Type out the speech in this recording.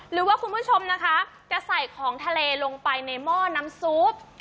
คุณผู้ชมนะคะจะใส่ของทะเลลงไปในหม้อน้ำซุป